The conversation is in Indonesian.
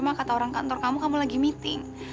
mah kata orang kantor kamu kamu lagi meeting